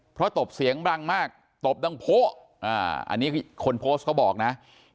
เพราะตบเสียงดังมากตบดังโพะอันนี้คนโพสต์เขาบอกนะ